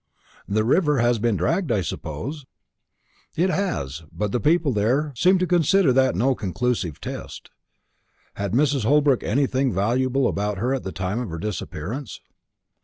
"The river has been dragged, I suppose?" "It has; but the people about there seem to consider that no conclusive test." "Had Mrs. Holbrook anything valuable about her at the time of her disappearance?"